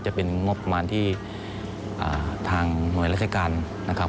จะเป็นงบประมาณที่ทางหน่วยราชการนะครับ